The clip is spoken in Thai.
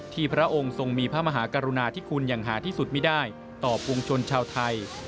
พระองค์ทรงมีพระมหากรุณาที่คุณอย่างหาที่สุดไม่ได้ต่อปวงชนชาวไทย